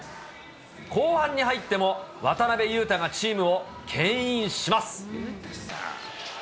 後半に入っても、渡邊雄太がチームをけん引します。